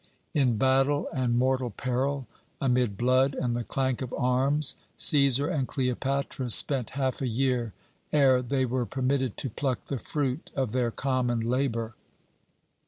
"In battle and mortal peril, amid blood and the clank of arms, Cæsar and Cleopatra spent half a year ere they were permitted to pluck the fruit of their common labour.